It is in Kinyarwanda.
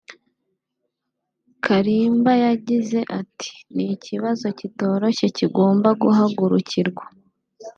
Kalimba yagize ati “ Ni ikibazo kitoroshye kigomba guhagurukirwa